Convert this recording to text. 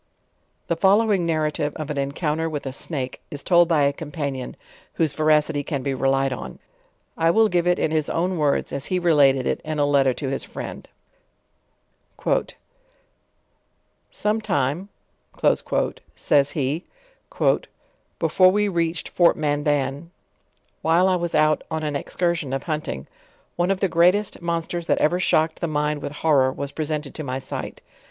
The following narrative of an encounter with a Snake it told by a companion, whose veracity can be relied on. I will give it in his own words, as he related it in a letter to his friend, 'Some time," says he "before we reached Fort Manda&, 40 JOURNAL OF while I was out on an excursion of hunting, one of the great cst monsters that ever shocked the mind with horror was pre sented to my sight.